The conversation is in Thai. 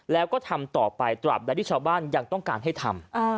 แล้วก็ทำต่อไปตราบใดที่ชาวบ้านยังต้องการให้ทำ